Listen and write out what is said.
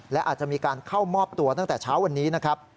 และอาจจะมีการเข้ามอบตัวตั้งแต่เช้าวันนี้นะครับ